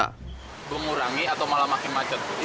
mengurangi atau malah makin macet